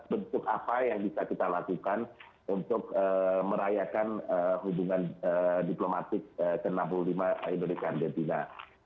bentuk apa yang bisa kita lakukan untuk merayakan hubungan diplomatik ke enam puluh lima indonesia argentina